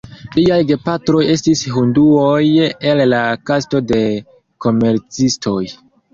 Liaj gepatroj estis hinduoj el la kasto de komercistoj.